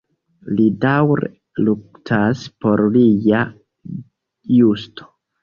Li daŭre luktas por lia justo.